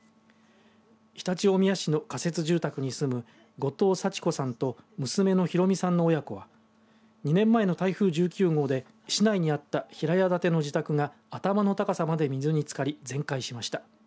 常陸大宮市の仮設住宅に住む後藤幸子さんと娘のひろみさんの親子は２年前の台風１９号で市内にあった平屋建ての自宅が頭の高さまで水につかり全壊しました。